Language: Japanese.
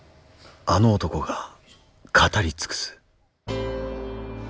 あの男が語り尽くす。